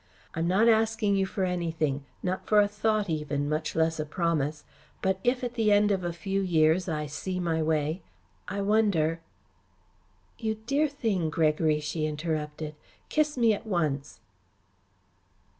I'm not asking you for anything not for a thought even, much less a promise but if at the end of a few years I see my way I wonder " "You dear thing, Gregory," she interrupted. "Kiss me at once."